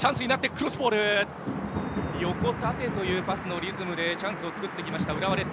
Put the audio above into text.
横、縦というパスのリズムでチャンスを作ってきた浦和レッズ。